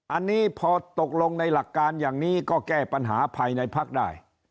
อันนี้พอตกลงในหลักการอย่างนี้ก็แก้ปัญหาภายในพักได้